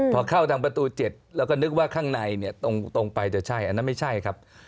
พอเข้าทางประตู๗เราก็นึกว่าข้างในเนี่ยตรงไปจะใช่อันนั้นไม่ใช่ครับ